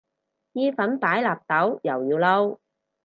意粉擺納豆又要嬲